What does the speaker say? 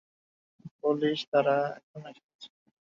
Police তারা এখানে এসে গেছে।